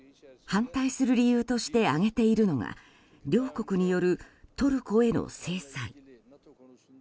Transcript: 反対する理由として挙げているのが両国によるトルコへの制裁。